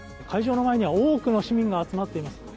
会場の前には多くの市民が集まっています。